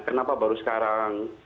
kenapa baru sekarang